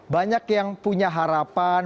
banyak yang punya harapan